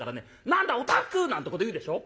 『何だおたふく！』なんてこと言うでしょ。